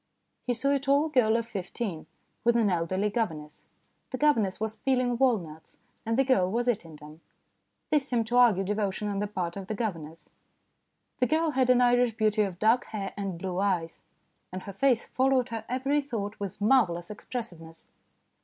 He saw a tall girl of fifteen with an elderly governess. The governess was peeling walnuts, and the girl was eating them ; this seemed to argue devotion on the part of the governess. The girl had an Irish beauty of dark hair and blue eyes, and her face followed her every thought with marvellous expressiveness.